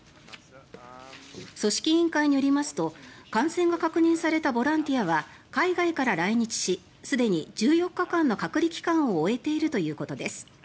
組織委員会によりますと感染が確認されたボランティアは海外から来日しすでに１４日間の隔離期間を終えているということです。